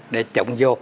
để trộn vô